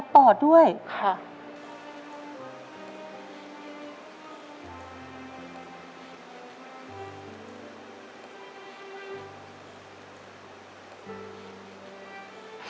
ขอเอ็กซาเรย์แล้วก็เจาะไข่ที่สันหลังค่ะ